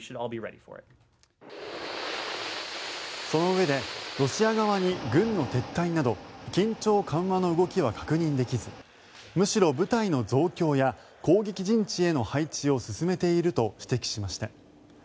そのうえでロシア側に軍の撤退など緊張緩和の動きは確認できずむしろ部隊の増強や攻撃陣地への配置を進めていると指摘しました。